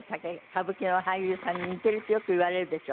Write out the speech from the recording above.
歌舞伎の俳優さんに似てるってよく言われるでしょ？